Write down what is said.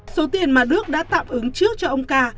số tiền mà đức đã tạm ứng trước cho ông ca